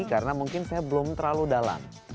karena mungkin saya belum terlalu dalam